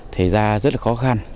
thể ra rất khó khăn